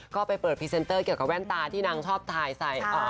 ก็ไปเปิดพรีเซนเตอร์เกี่ยวกับแว่นตาที่นางชอบถ่ายใส่